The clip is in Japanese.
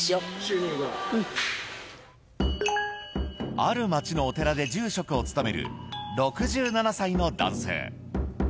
ある街のお寺で住職を務める６７歳の男性。